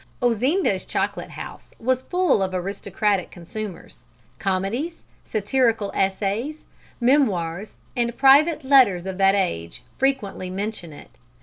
Ozinda's chocolate house was full of aristocratic consumers. Comedies, satirical essays, memoirs and private letters of that age frequently mention it.